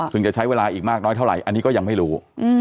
ซึ่งจะใช้เวลาอีกมากน้อยเท่าไหร่อันนี้ก็ยังไม่รู้